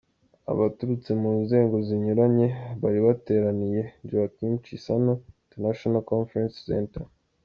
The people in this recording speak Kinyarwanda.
Abaturutse mu nzego zinyuranye bari bateraniye Joaquim Chissano International Conference Center .